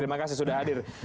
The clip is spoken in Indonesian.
terima kasih sudah hadir